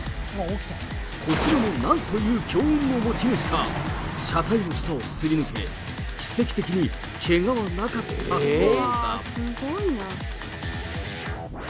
こちらもなんという強運の持ち主か、車体の下をすり抜け、奇跡的にけがはなかったそうだ。